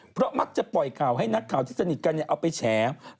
เพราะมักจะปล่อยข่าวให้นักข่าวที่สนิทกันเอาไปแฉ